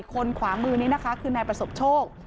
ขวามือนี้นะคะคือนายประสบโชค